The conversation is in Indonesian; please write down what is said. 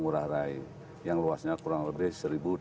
ngurah rai yang luasnya kurang lebih